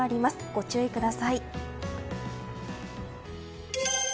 ご注意ください。